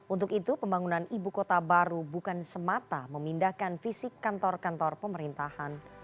untuk itu pembangunan ibu kota baru bukan semata memindahkan fisik kantor kantor pemerintahan